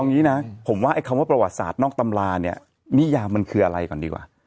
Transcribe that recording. อย่างนี้นะผมว่าไอ้คำว่าประวัติศาสตร์นอกตำราเนี่ยนิยามมันคืออะไรก่อนดีกว่า